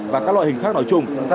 và các loại hình khác nói chung